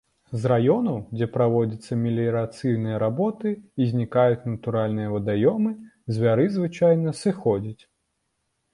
З раёнаў, дзе праводзяцца меліярацыйныя работы і знікаюць натуральныя вадаёмы, звяры звычайна сыходзяць.